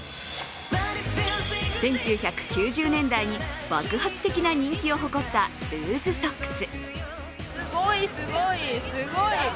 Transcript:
１９９０年代に爆発的な人気を誇ったルーズソックス。